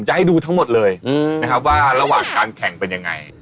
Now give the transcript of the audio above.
ให้ดูทั้งหมดเลยนะครับว่าระหว่างการแข่งเป็นยังไง